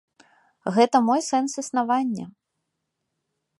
Гэта мой сэнс існавання.